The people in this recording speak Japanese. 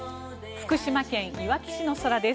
福島県いわき市の空です。